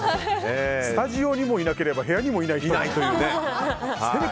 スタジオにもいなければ部屋にもいないという。